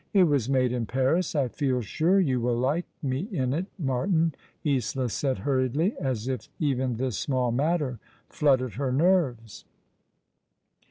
It was made in Paris. I feel sure you will like me in it, Martin," Isola said hurriedly, as if even this small matter fluttered her nerves.